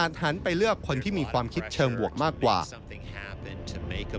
หันไปเลือกคนที่มีความคิดเชิงบวกมากกว่า